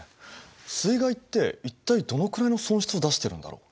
水害って一体どのくらいの損失を出してるんだろう。